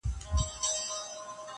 نه نجلۍ یې له فقیره سوای غوښتلای!!